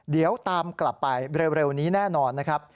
เดี๋ยวตามกลับไปเร็วนี้แน่นอนนะครับ